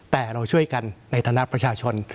แต่เราช่วยกันในฐานะประชาชน